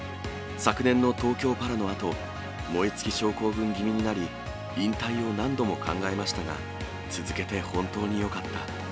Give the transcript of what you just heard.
昨年の東京パラのあと、燃え尽き症候群気味になり、引退を何度も考えましたが、続けて本当によかった。